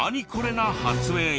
な発明が。